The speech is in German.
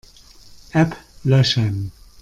App löschen.